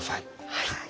はい。